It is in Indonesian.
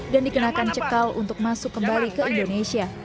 dikenakan cekal untuk masuk kembali ke indonesia